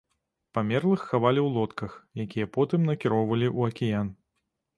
Памерлых хавалі ў лодках, якія потым накіроўвалі ў акіян.